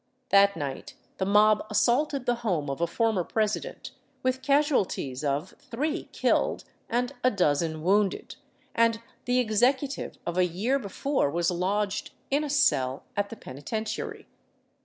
That night the mob assaulted the home of a former president, with casuali ties of three kille'd and a dozen wounded, and the executive of a year before was lodged in a cell at the penitentiary.